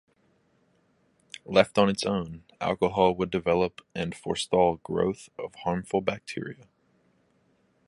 Left on its own, alcohol would develop and forestall growth of harmful bacteria.